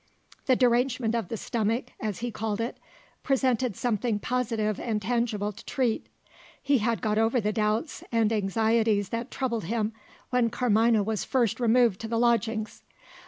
The derangement of the stomach (as he called it) presented something positive and tangible to treat: he had got over the doubts and anxieties that troubled him, when Carmina was first removed to the lodgings.